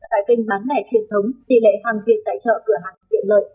tại kênh bán mẻ truyền thống tỷ lệ hàng viện tài trợ cửa hàng tiện lợi